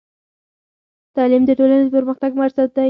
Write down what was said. تعلیم د ټولنې د پرمختګ بنسټ دی.